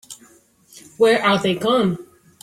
Where are they gone?